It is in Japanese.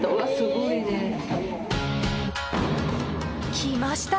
きました！